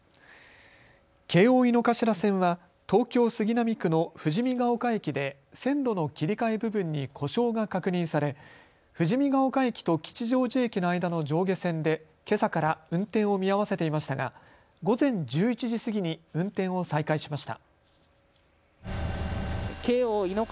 京王井の頭線は東京杉並区の富士見ヶ丘駅で線路の切り替え部分に故障が確認され富士見ヶ丘駅と吉祥寺駅の間の上下線でけさから運転を見合わせていましたが午前１１時過ぎに運転を再開しました。